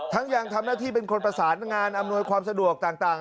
ยังทำหน้าที่เป็นคนประสานงานอำนวยความสะดวกต่าง